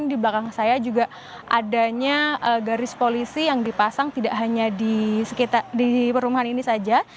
di belakang saya juga adanya garis polisi yang dipasang tidak hanya di perumahan ini saja